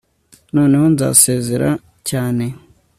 Noneho nzasezera cyane